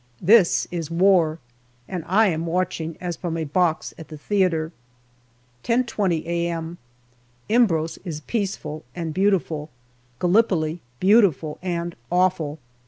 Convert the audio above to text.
This is war ! and I am watching as from a box at the theatre. 10.20 a.m. Imbros is peaceful and beautiful, Gallipoli beautiful and awful.